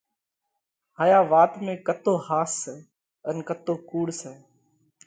هايا وات ۾ ڪتو ۿاس سئہ ان ڪتو ڪُوڙ سئہ،